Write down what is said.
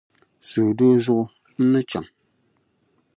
Suhudoo zuɣu, n ni chaŋ.